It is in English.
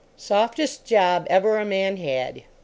Softest job ever a man had.